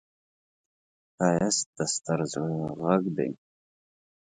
ښایست د ستر زړه غږ دی